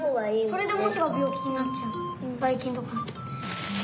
それでモチがびょうきになっちゃうばいきんとか。